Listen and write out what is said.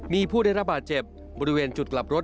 มีผู้ได้รับบาดเจ็บบริเวณจุดกลับรถ